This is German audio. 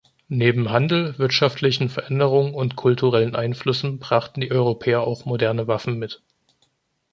Neben Handel, wirtschaftlichen Veränderungen und kulturellen Einflüssen brachten die Europäer auch moderne Waffen mit.